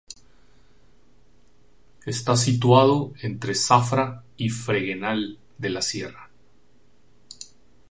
Está situado entre Zafra y Fregenal de la Sierra.